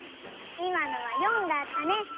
いまのは４だったね。